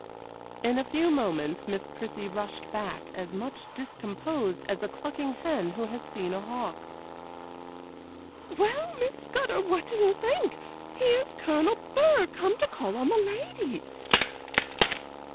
In a few moments Miss Prissy rushed back as much discomposed as a clucking hen who has seen a hawk. 'Well, Miss Scudder, what do you think? Here's Colonel Burr come to call on the ladies!